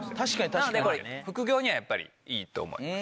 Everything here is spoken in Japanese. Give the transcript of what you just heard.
なのでこれ副業にはやっぱりいいと思います。